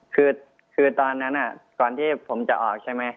คือตอนนั้นก่อนที่ผมจะออกใช่ไหม